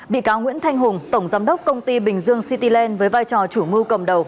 bị cáo nguyễn thanh hùng tổng giám đốc công ty bình dương cityland với vai trò chủ mưu cầm đầu